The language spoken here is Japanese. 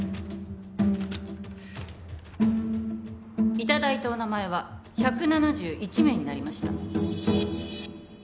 いただいたお名前は１７１名になりました